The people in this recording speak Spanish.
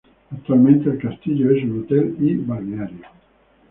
Actualmente el castillo es un hotel y balneario.